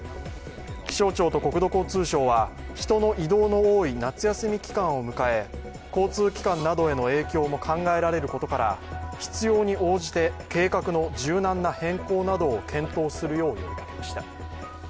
気象庁と国土交通省は人の移動の多い夏休み期間を迎え、交通機関などへの影響も考えられることから必要に応じて計画の柔軟な変更などを検討するよう呼びかけました。